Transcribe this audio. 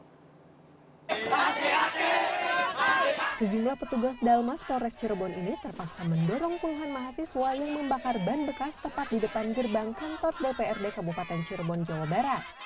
sejumlah petugas dalmas polres cirebon ini terpaksa mendorong puluhan mahasiswa yang membakar ban bekas tepat di depan gerbang kantor dprd kabupaten cirebon jawa barat